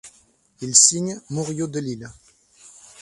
Il signe Morio Delisle.